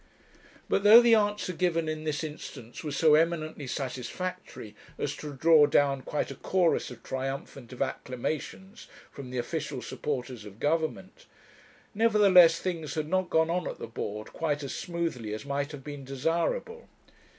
But though the answer given in this instance was so eminently satisfactory as to draw down quite a chorus of triumphant acclamations from the official supporters of Government, nevertheless things had not gone on at the Board quite as smoothly as might have been desirable.